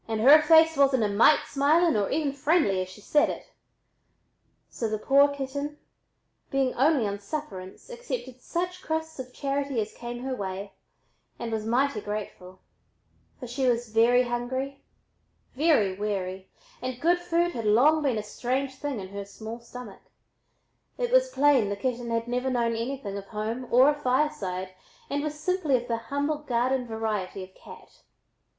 "And her face wasn't a mite smiling or even friendly as she said it." So the poor little kitten, being only on sufferance, accepted such crusts of charity as came her way, and was mighty grateful; for she was very hungry, very weary, and good food had long been a strange thing in her small stomach. It was plain the kitten had never known anything of home or a fireside and was simply of the humble garden variety of cat.